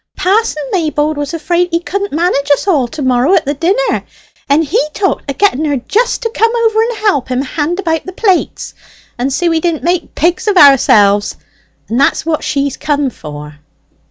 "Pa'son Maybold was afraid he couldn't manage us all to morrow at the dinner, and he talked o' getting her jist to come over and help him hand about the plates, and see we didn't make pigs of ourselves; and that's what she's come for!"